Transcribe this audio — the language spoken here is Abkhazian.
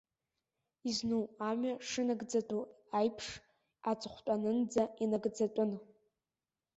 Изну амҩа шынагӡатәу аиԥш, аҵыхәтәанынӡа инагӡатәын.